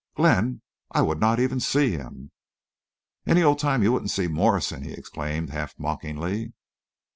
"Glenn!... I would not even see him." "Any old time you wouldn't see Morrison!" he exclaimed, half mockingly.